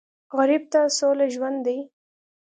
غریب ته سوله ژوند دی